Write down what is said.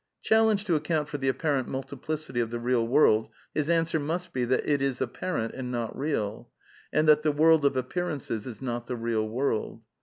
Challenged to account for the apparent multiplicity of the real world, his answer must be that it is apparent, and not real, and that the world of appearances is not the real world.